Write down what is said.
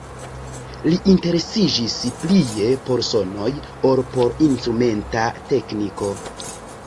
Li interesiĝis plie por sonoj ol por instrumenta tekniko.